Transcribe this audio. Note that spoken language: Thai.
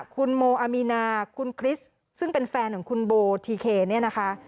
คุณโมอามีนาคุณคริสต์ซึ่งเป็นแฟนของคุณโบทีเคเนี่ยนะคะ